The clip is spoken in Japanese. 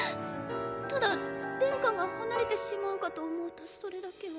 ただ殿下が離れてしまうかと思うとそれだけは。